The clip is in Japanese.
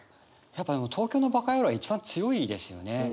やっぱでも「東京のバカヤロー」は一番強いですよね。